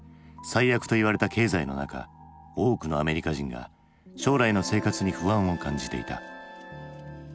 最悪と言われた経済の中多くのアメリカ人が将来の生活に不安を感じていた。